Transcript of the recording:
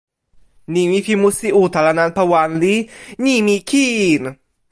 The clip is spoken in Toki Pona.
nimi pi musi utala nanpa wan li "nimi kin".